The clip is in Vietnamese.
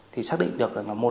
thì xác định được là